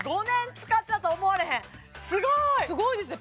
すごいですね